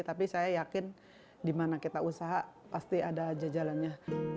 tapi saya yakin dimana kita usaha pasti ada jejalannya